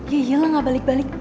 ya iyalah gak balik balik